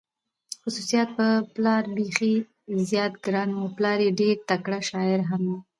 خصوصا په پلار بېخي زیات ګران و، پلار یې ډېر تکړه شاعر هم و،